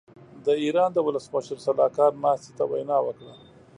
د ايران د ولسمشر سلاکار ناستې ته وینا وکړه.